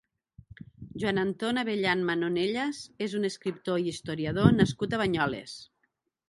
Joan Anton Abellán Manonellas és un escriptor i historiador nascut a Banyoles.